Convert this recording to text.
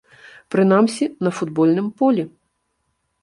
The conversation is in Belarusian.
Прынамсі на футбольным полі.